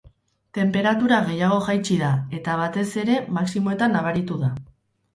Tenperatura gehiago jaitsi da, eta batez ere maximoetan nabaritu da.